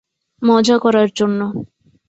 মজা করার জন্য।